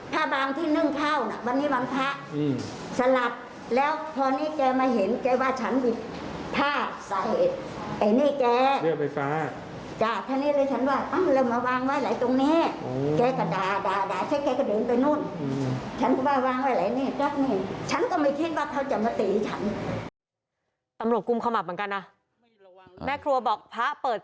ต้องตะโกนเรียกลูกชายมาช่วยไง